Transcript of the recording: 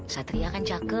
satria kan jaga